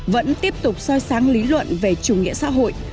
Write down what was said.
vẫn tiếp tục soi sáng lý luận về chủ nghĩa xã hội